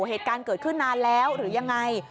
เหตุการณ์เกิดขึ้นนานแล้วหรือยังไง